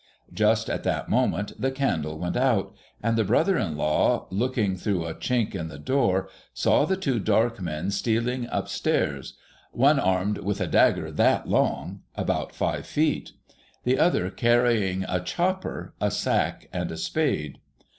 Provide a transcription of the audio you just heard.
Just at that moment the candle went out, and the brother in law, looking through a chink in the door, saw the two dark men stealing up stairs ; one armed with a dagger that long (about five feet) ; the other carrying a chopper, a sack, and a spade.